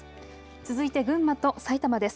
続いて群馬と埼玉です。